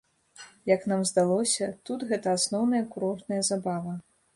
Як нам здалося, тут гэта асноўная курортная забава.